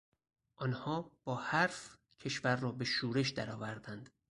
آنها با حرف کشور را به شورش در آوردند.